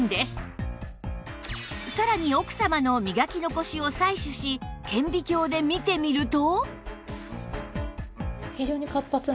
さらに奥様の磨き残しを採取し顕微鏡で見てみると